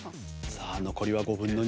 さあ残りは５分の２。